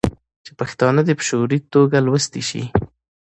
چې پښتانه دې په شعوري ټوګه لوستي شي.